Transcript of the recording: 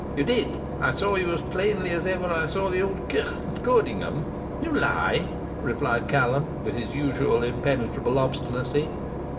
'You did; I saw you as plainly as I ever saw the auld kirk at Coudingham.' 'You lie,' replied Callum, with his usual impenetrable obstinacy.